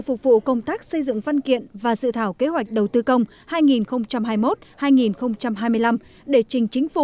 phục vụ công tác xây dựng văn kiện và dự thảo kế hoạch đầu tư công hai nghìn hai mươi một hai nghìn hai mươi năm để trình chính phủ